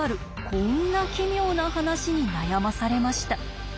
こんな奇妙な話に悩まされました。